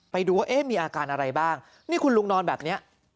ไปดูว่าเอ๊ะมีอาการอะไรบ้างนี่คุณลุงนอนแบบนี้